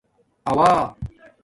آݸا